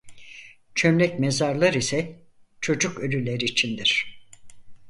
Çömlek mezarlar ise çocuk ölüler içindir.